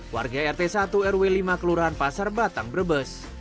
warga rt satu rw lima kelurahan pasar batang brebes